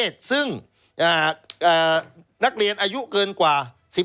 คดีทางเพศซึ่งนักเรียนอายุเกินกว่า๑๕